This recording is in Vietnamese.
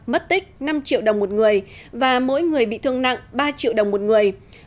mất tích năm triệu đồng một người và mỗi người bị thương nặng ba triệu đồng một người